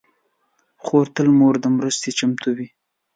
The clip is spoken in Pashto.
خور تل د مور مرستې ته چمتو وي.